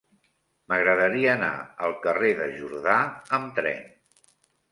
M'agradaria anar al carrer de Jordà amb tren.